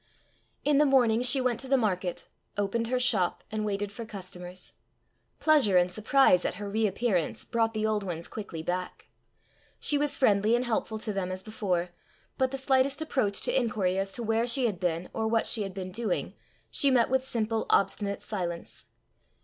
In the morning she went to the market, opened her shop, and waited for customers. Pleasure and surprise at her reappearance brought the old ones quickly back. She was friendly and helpful to them as before; but the slightest approach to inquiry as to where she had been or what she had been doing, she met with simple obstinate silence.